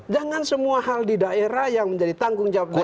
jangan semua hal di daerah yang menjadi tanggung jawab daerah